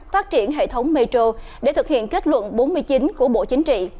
phát triển hệ thống metro để thực hiện kết luận bốn mươi chín của bộ chính trị